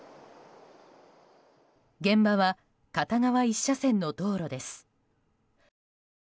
現場は片側１車線の道路です。